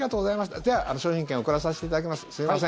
じゃあ商品券贈らせていただきます。